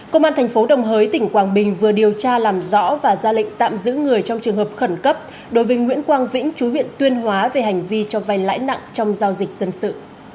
công an thành phố đồng hới tỉnh quảng bình vừa điều tra làm rõ và ra lệnh tạm giữ người trong trường hợp khẩn cấp đối với nguyễn quang vĩnh chú huyện tuyên hóa về hành vi cho vay lãi nặng trong giao dịch dân sự